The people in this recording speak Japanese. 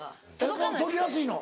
取りやすいの？